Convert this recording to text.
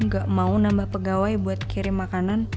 nggak mau nambah pegawai buat kirim makanan